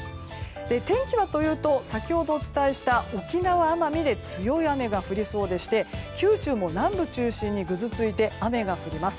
天気は先ほどお伝えした沖縄、奄美で強い雨が降りそうでして九州も南部中心にぐずついて雨が降ります。